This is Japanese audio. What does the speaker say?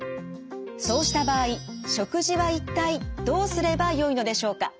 そうした場合食事は一体どうすればよいのでしょうか？